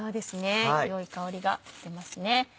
良い香りがしてますね。